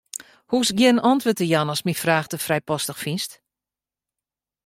Hoechst gjin antwurd te jaan ast myn fraach te frijpostich fynst.